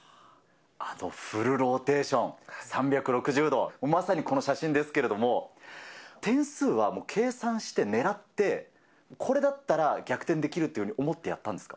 あのフルローテーション、３６０度、まさにこの写真ですけれども、点数は、もう計算して狙って、これだったら逆転できるっていうふうに思ってやったんですか？